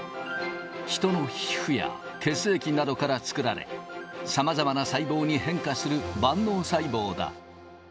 ヒトの皮膚や血液などから作られ、さまざまな細胞に変化する万能細胞だ。